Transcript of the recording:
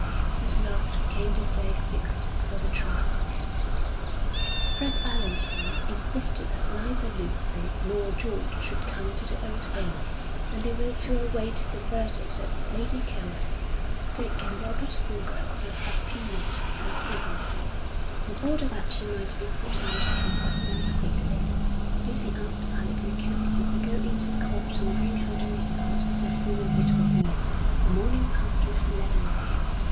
At last came the day fixed for the trial. Fred Allerton insisted that neither Lucy nor George should come to the Old Bailey, and they were to await the verdict at Lady Kelsey's. Dick and Robert Boulger were subpoenaed as witnesses. In order that she might be put out of her suspense quickly, Lucy asked Alec MacKenzie to go into court and bring her the result as soon as it was known. The morning passed with leaden feet.